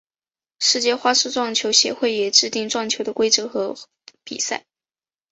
世界花式撞球协会也制定撞球的规则和比赛。